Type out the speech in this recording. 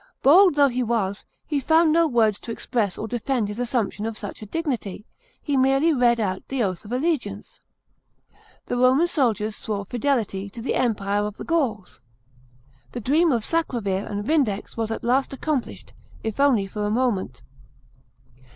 Bold though he was, he found no words to express or defend his assumption of such a dignity ; he merely read out the oath of allegiance. The Homan soldiers swore fidelity to the " Empire of the Gauls." The dream of Sacrovir and Vindex was at last accomplished, if only for a moment.